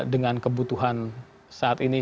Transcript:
dengan kebutuhan saat ini